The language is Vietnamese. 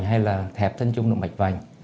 hay là hẹp thân trung động mạch vành